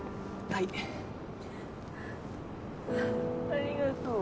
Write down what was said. ありがとう。